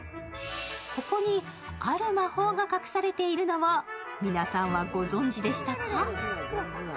ここに、ある魔法が隠されているのは皆さんはご存じでしたか？